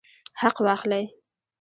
حق واخلئ